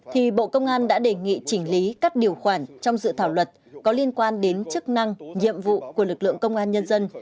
thì bộ công an đã đề nghị chỉnh lý các điều khoản trong dự thảo luật có liên quan đến chức năng nhiệm vụ của lực lượng công an nhân dân